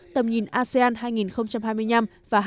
tầm nhìn asean hai nghìn hai mươi năm và hai nghìn năm mươi